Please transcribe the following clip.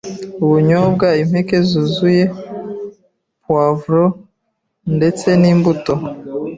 ubunyobwa, impeke zuzuye, poivron, ndetse n’imbuto